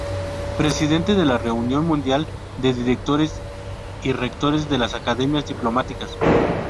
Presidente de la Reunion Mundial de Directores y Rectores de las Academias Diplomáticas.